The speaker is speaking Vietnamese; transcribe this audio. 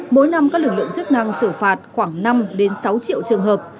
mỗi năm các lực lượng chức năng xử phạt khoảng năm sáu triệu trường hợp